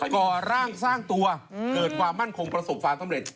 ก่อร่างสร้างตัวเกิดความมั่นคงประสบความสำเร็จ